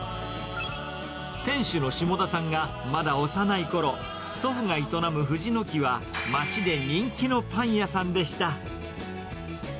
店主の下田さんがまだ幼いころ、祖父が営む藤の木は、街で人気のパン屋さんでした。